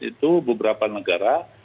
itu beberapa negara